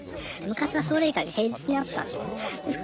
昔は奨励会が平日にあったんです。